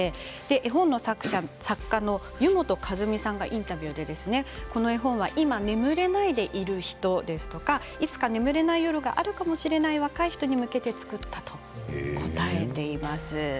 日本の作家の湯本香樹実さんがインタビューでこの絵本は今、眠れないでいる人ですとかいつか眠れない夜があるかもしれない若い人に向けて作ったと答えています。